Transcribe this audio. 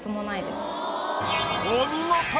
お見事！